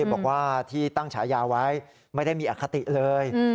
บอกว่าที่ตั้งฉายาไว้ไม่ได้มีอคติเลย